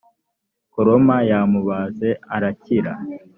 koroma yamubaze arakira .